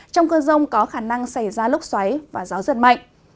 trong cơn rông có khả năng xảy ra lốc xoáy và gió giật mạnh